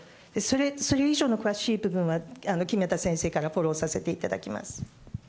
それ以上の詳しい部分は、木目田先生からフォローさせていただきます。